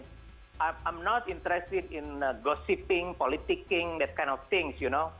saya tidak berminat dengan gosip politik hal hal seperti itu